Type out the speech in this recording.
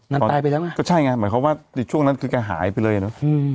ตายไปแล้วไงก็ใช่ไงหมายความว่าในช่วงนั้นคือแกหายไปเลยเนอะ